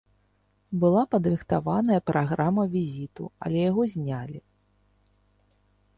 Была падрыхтаваная праграма візіту, але яго знялі.